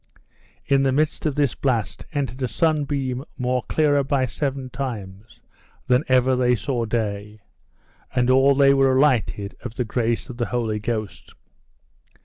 In the midst of this blast entered a sunbeam more clearer by seven times than ever they saw day, and all they were alighted of the grace of the Holy Ghost.